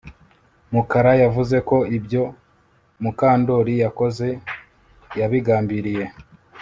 Mukara yavuze ko ibyo Mukandoli yakoze yabigambiriye